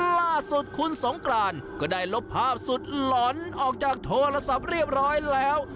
ล่าสุดคุณสงกรานก็ได้ลบภาพสุดหลอนออกจากโทรศัพท์เรียบร้อยแล้ว